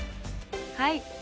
はい。